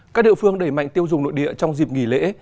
các địa phương đẩy mạnh tiêu dùng nội địa trong dịp nghỉ lễ